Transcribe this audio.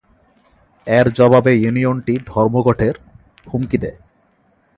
এর জবাবে ইউনিয়নটি ধর্মঘটের হুমকি দেয়।